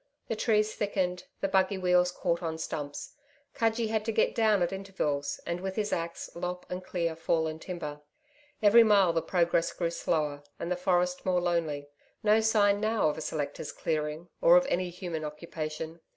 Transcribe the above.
The trees thickened, the buggy wheels caught on stumps. Cudgee had to get down at intervals and, with his axe, lop and clear fallen timber. Every mile the progress grew slower and the forest more lonely. No sign now of a selector's clearing, or of any human occupation....